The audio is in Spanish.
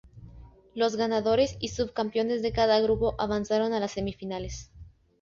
Los ganadores y subcampeones de cada grupo avanzaron a las semifinales.